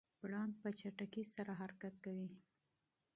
پړانګ په چټکۍ سره حرکت کوي.